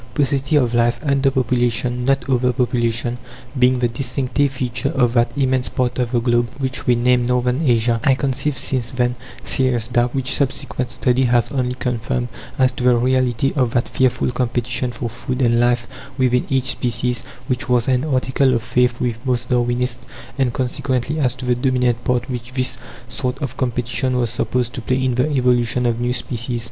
Paucity of life, under population not over population being the distinctive feature of that immense part of the globe which we name Northern Asia, I conceived since then serious doubts which subsequent study has only confirmed as to the reality of that fearful competition for food and life within each species, which was an article of faith with most Darwinists, and, consequently, as to the dominant part which this sort of competition was supposed to play in the evolution of new species.